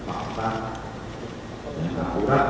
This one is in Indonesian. atau fakta yang tak pura